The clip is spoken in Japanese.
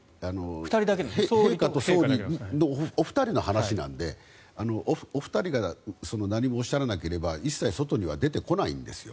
陛下と総理のお二人の話なのでお二人が何もおっしゃらなければ一切外に出てこないんですよ。